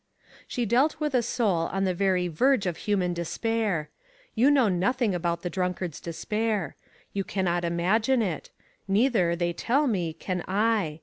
She dealt with a soul on the very verge of human despair. You know nothing about the drunkard's despair. You cannot imagine it; neither, they tell me, can I.